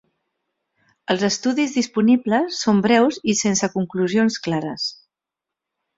Els estudis disponibles són breus i sense conclusions clares.